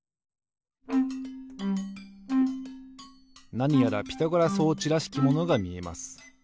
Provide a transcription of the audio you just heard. なにやらピタゴラ装置らしきものがみえます。